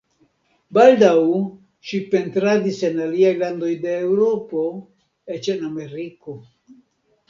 Baldaŭ ŝi pentradis en aliaj landoj de Eŭropo, eĉ en Ameriko.